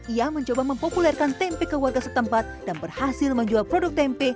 ia mencoba mempopulerkan tempe ke warga setempat dan berhasil menjual produk tempe